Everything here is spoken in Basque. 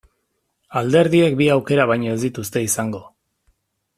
Alderdiek bi aukera baino ez dituzte izango.